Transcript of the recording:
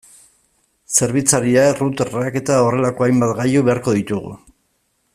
Zerbitzariak, routerrak eta horrelako hainbat gailu beharko ditugu.